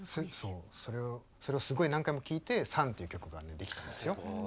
それをすごい何回も聴いて「ＳＵＮ」という曲がね出来たんですよ。